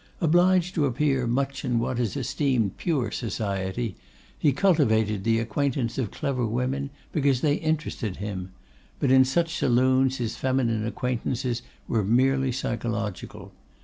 Obliged to appear much in what is esteemed pure society, he cultivated the acquaintance of clever women, because they interested him; but in such saloons his feminine acquaintances were merely psychological.